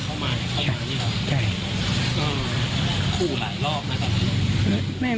คู่หลายรอบนะครับ